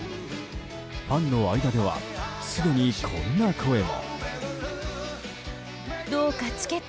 ファンの間ではすでにこんな声も。